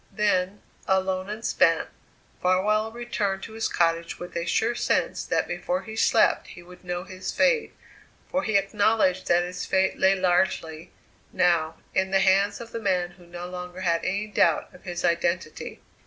Then, alone and spent, Farwell returned to his cottage with a sure sense that before he slept he would know his fate, for he acknowledged that his fate lay largely, now, in the hands of the man who no longer had any doubt of his identity.